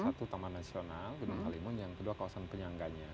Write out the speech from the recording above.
satu taman nasional gunung halimun yang kedua kawasan penyangganya